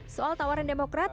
soal tawaran demokrat